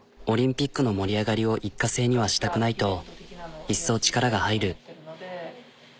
オリンピックの盛り上がりを一過性にはしたくないといっそう力が入る。